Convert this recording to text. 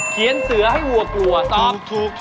เขียนเสือให้หัวกลัวตอบ